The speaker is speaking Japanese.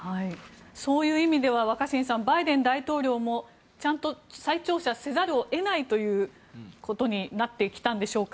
そういう意味ではバイデン大統領もちゃんと再調査せざるを得ないということになってきたんでしょうか。